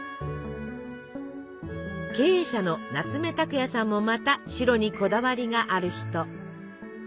経営者の夏目拓也さんもまた「白」にこだわりがある人。